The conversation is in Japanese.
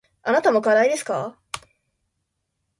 あなたも課題ですか。